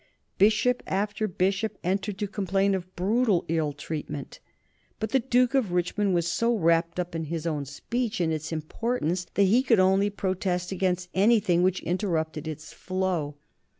Bishop after bishop entered to complain of brutal ill treatment. But the Duke of Richmond was so wrapped up in his own speech and its importance that he could only protest against anything which interrupted its flow.